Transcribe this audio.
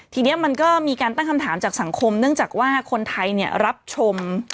ทีนี้มันก็มีการตั้งคำถามจากสังคมเนื่องจากว่าคนไทยรับชม